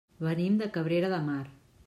Venim de Cabrera de Mar.